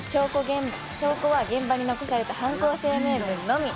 証拠は現場に残された犯行声明文のみ。